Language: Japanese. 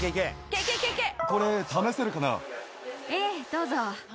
これ、ええ、どうぞ。